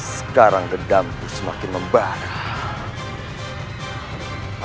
sekarang redamku semakin membarah